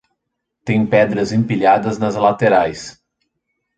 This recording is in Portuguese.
Tem pedras empilhadas nas laterais.